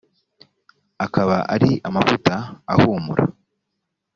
akaba ari amavuta ahumura